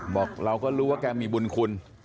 บอกเราก็รู้ว่าแกมีบุญคุณ